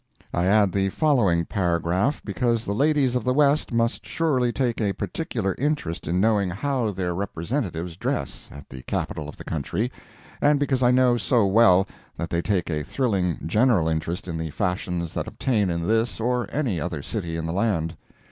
I add the following paragraph because the ladies of the West must surely take a particular interest in knowing how their representatives dress at the capital of the country, and because I know so well that they take a thrilling general interest in the fashions that obtain in this or any other city in the land.